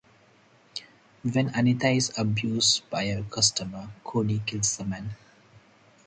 When Anita is abused by a customer, Cody kills the man.